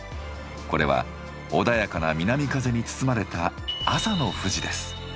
これは穏やかな南風に包まれた朝の富士です。